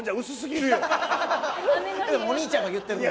お兄ちゃんが言ってるんで。